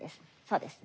そうです。